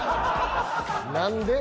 何で？